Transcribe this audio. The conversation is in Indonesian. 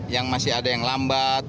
yang masih ada yang lambat